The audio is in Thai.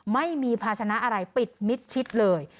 ไม่มีภาชนะอะไรปิดมิดชิดเลย